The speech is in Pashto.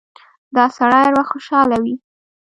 دا سړی هر وخت خوشاله وي.